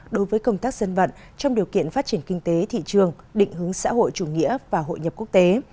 đối với công tác dân vận trong điều kiện phát triển kinh tế thị trường định hướng xã hội chủ nghĩa và hội nhập quốc tế